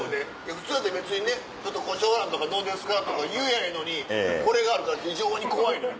普通やったら別にね「胡蝶蘭とかどうですか」とか言やぁええのにこれがあるから非常に怖いのよ。